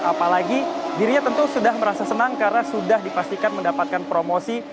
apalagi dirinya tentu sudah merasa senang karena sudah dipastikan mendapatkan promosi